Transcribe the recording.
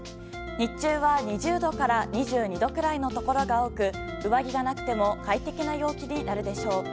日中は２０度から２２度くらいのところが多く上着がなくても快適な陽気になるでしょう。